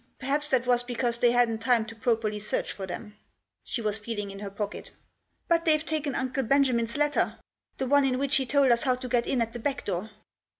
Perhaps that was because they hadn't time to properly search for them." She was feeling in her pocket "But they have taken Uncle Benjamin's letter — the one in which he told us how to get in at the back door."